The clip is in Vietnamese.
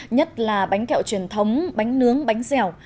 nhất là bánh kẹo truyền thống bánh nướng bánh dẻo